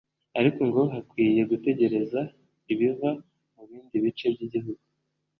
ariko ngo hakwiye gutegereza ibizava mu bindi bice by’igihugu